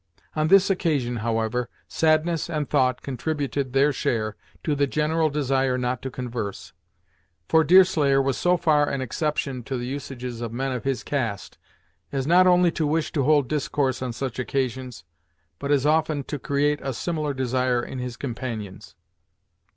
On this occasion, however, sadness and thought contributed their share to the general desire not to converse, for Deerslayer was so far an exception to the usages of men of his cast, as not only to wish to hold discourse on such occasions, but as often to create a similar desire in his companions.